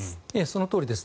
そのとおりです。